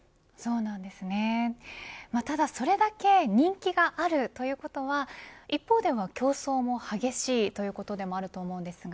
また、それだけ人気があるということは一方では競争も激しいということでもあると思うんですが。